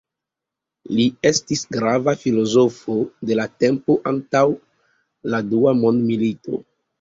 Li estis grava filozofo de la tempo antaŭ la dua mondmilito.